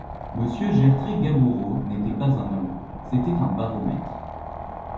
Monsieur Gertrais-Gaboureau n’était pas un homme, c’était un baromètre.